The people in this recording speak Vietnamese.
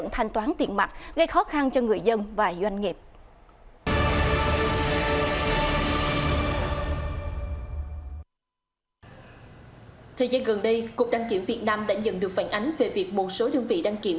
thời gian gần đây cục đăng kiểm việt nam đã nhận được phản ánh về việc một số đơn vị đăng kiểm